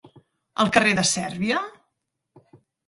al carrer de Sèrbia?